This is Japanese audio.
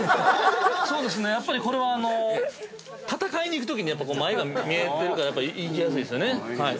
そうですね、やっぱりこれは戦いに行くときに前が見えてるからやっぱ、行きやすいですよね。